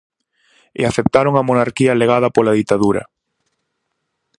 E aceptaron a monarquía legada pola ditadura.